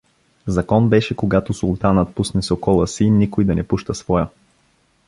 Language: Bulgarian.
Закон беше, когато султанът пусне сокола си, никой да не пуща своя.